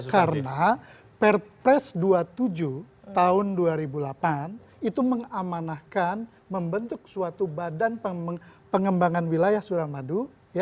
karena perpres dua puluh tujuh tahun dua ribu delapan itu mengamanahkan membentuk suatu badan pengembangan wilayah suramadu